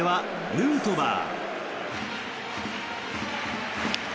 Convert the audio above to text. ヌートバー